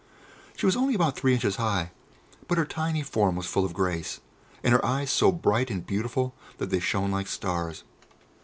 She was only about three inches high, but her tiny form was full of grace, and her eyes so bright and beautiful that they shone like stars.